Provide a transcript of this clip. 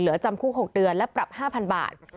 จำคุก๖เดือนและปรับ๕๐๐บาท